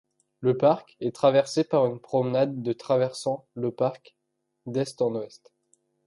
Le parc est traversé par une promenade de traversant le parc d'est en ouest.